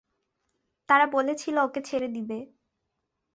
তারা বলেছিল ওকে ছেড়ে দেবে।